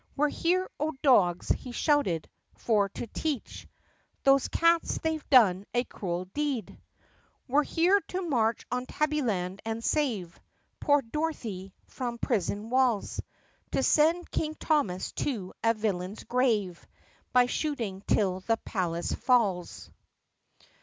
"We 're here, O dogs!" he shouted, "for to teach Those cats they 've done a cruel deed ! "We 're here to march on Tabbyland and save Poor Dorothy from prison walls; To send King Thomas to a villain's grave By shooting till the palace falls.